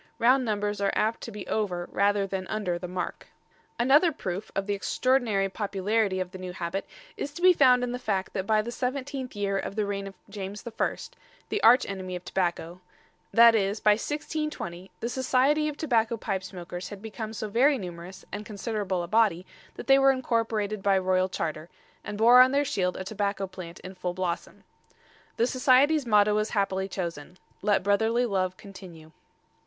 Round numbers are apt to be over rather than under the mark. Another proof of the extraordinary popularity of the new habit is to be found in the fact that by the seventeenth year of the reign of James I the arch enemy of tobacco that is, by 1620, the Society of Tobacco pipe makers had become so very numerous and considerable a body that they were incorporated by royal charter, and bore on their shield a tobacco plant in full blossom. The Society's motto was happily chosen "Let brotherly love continue."